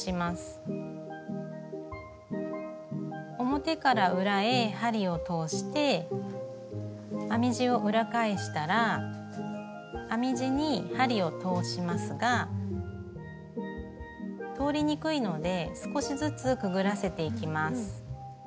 表から裏へ針を通して編み地を裏返したら編み地に針を通しますが通りにくいので少しずつくぐらせていきます。